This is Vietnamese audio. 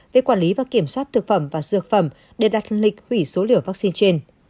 về quản lý và kiểm soát thực phẩm và dược phẩm để đặt lịch hủy số liều vaccine trên